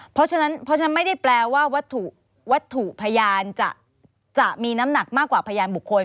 เพราะฉะนั้นเพราะฉะนั้นไม่ได้แปลว่าวัตถุพยานจะมีน้ำหนักมากกว่าพยานบุคคล